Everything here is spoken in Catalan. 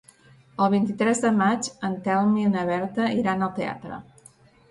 El vint-i-tres de maig en Telm i na Berta iran al teatre.